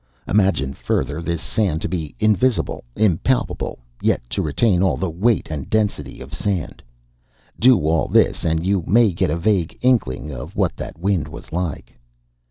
Imagine, further, this sand to be invisible, impalpable, yet to retain all the weight and density of sand. Do all this, and you may get a vague inkling of what that wind was like.